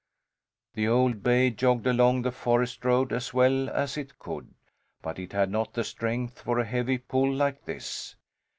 The old bay jogged along the forest road as well as it could, but it had not the strength for a heavy pull like this.